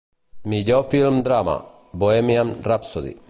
Millor film drama: ‘Bohemian Rhapsody’